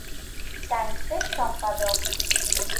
টাইমসের সম্পাদক।